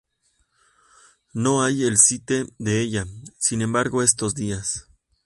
No hay el site de ella, sin embargo estos días.